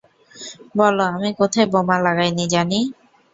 বলো আমি কোথাও বোমা লাগায় নি জানি।